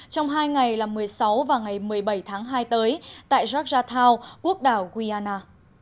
trong hai ngày là một mươi sáu và ngày một mươi bảy tháng hai tới tại georgiatow quốc đảo griana